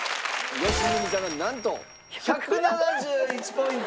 良純さんがなんと１７１ポイント。